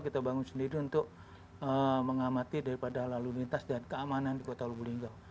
kita bangun sendiri untuk mengamati daripada lalu lintas dan keamanan di kota lubu linggau